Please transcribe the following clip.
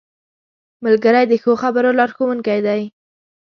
ملګری د ښو خبرو لارښوونکی دی